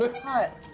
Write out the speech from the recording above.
はい。